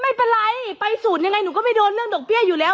ไม่เป็นไรไปศูนย์ยังไงหนูก็ไม่โดนเรื่องดอกเบี้ยอยู่แล้ว